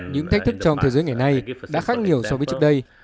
những thách thức trong thế giới ngày nay đã khác nhiều so với trước đây